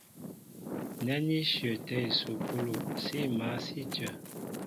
Nɛ́ ní shyəətɛ́ ísukúlu, sí mǎl sí a cə.